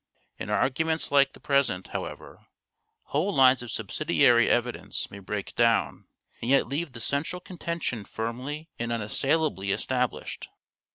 In arguments like the present, however, whole lines of subsidiary evidence may break down and yet leave the central contention firmly and unassailably established.